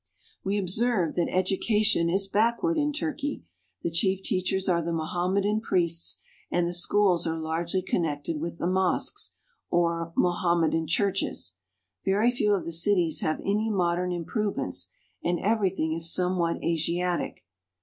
We observe that education is backward in Turkey. The chief teachers are the Mohammedan priests, and the schools are largely connected with the mosques, or Mo hammedan churches. Very few of the cities have any modern improvements, and everything is somewhat Asiatic.